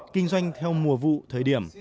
kinh doanh theo mùa vụ thời điểm